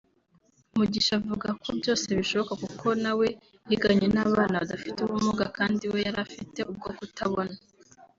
Mugisha avuga ko byose bishoboka kuko nawe yiganye n’abana badafite ubumuga kandi we yari afite ubwo kutabona